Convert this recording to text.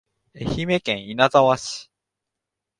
愛知県稲沢市